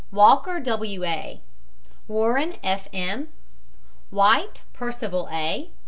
WALKER, W. A. WARREN, F. M. WHITE, PERCIVAL A.